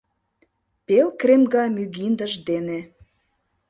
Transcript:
Пел кремга мӱгиндыж дене